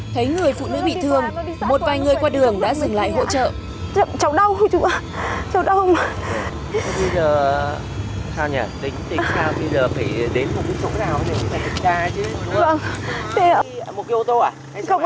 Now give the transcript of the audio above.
thấy người phụ nữ bị thương một vài người qua đường đã dừng lại hỗ trợ